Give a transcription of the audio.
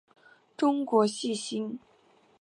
中国细辛